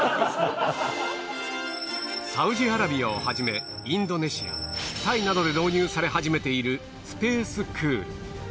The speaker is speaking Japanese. サウジアラビアをはじめインドネシアタイなどで導入され始めている ＳＰＡＣＥＣＯＯＬ